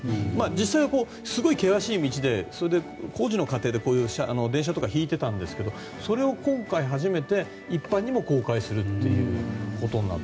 実際、すごい険しい道で工事の過程で電車とか引いてたんですけどそれを今回、初めて一般にも公開することになった。